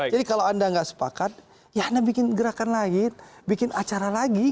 jadi kalau anda tidak sepakat ya anda bikin gerakan lain bikin acara lagi